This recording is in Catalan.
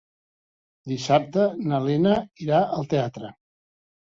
Dissabte na Lena irà al teatre.